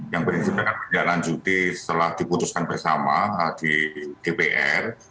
yang berisik adalah kita lanjuti setelah diputuskan bersama di dpr